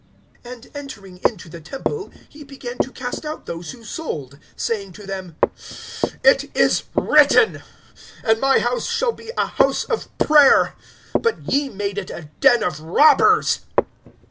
(45)And entering into the temple, he began to cast out those who sold; (46)saying to them: It is written, And my house shall be a house of prayer; but ye made it a den of robbers.